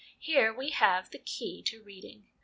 Here we have the key to reading.